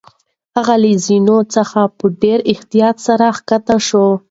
هغه له زینو څخه په ډېر احتیاط سره کښته شوه.